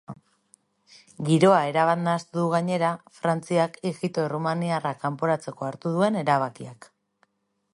Giroa erabat nahastu du gainera frantziak ijito errumaniarrak kanporatzeko hartu duen erabakiak.